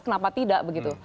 kenapa tidak begitu